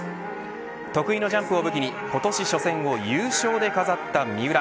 得意のジャンプを武器に今年初戦を優勝で飾った三浦。